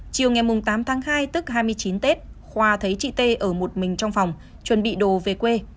chiều ngày tám tháng hai tức hai mươi chín tết khoa thấy chị t ở một mình trong phòng chuẩn bị đồ về quê